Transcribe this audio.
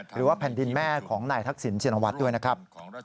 หรือว่าแผ่นดินแม่ของนายทักษิณชินวัฒน์ด้วยนะครับ